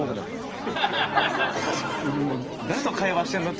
誰と会話してんの？